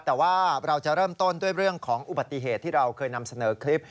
แต่ว่าเราจะเริ่มต้นด้วยเรื่องของอุบัติเหตุที่เราเคยนำเสนอคลิป